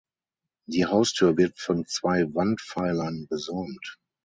Die Haustür wird von zwei Wandpfeilern gesäumt.